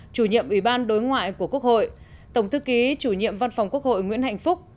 chủ nhiệm ủy ban đối ngoại của quốc hội tổng thư ký chủ nhiệm văn phòng quốc hội nguyễn hạnh phúc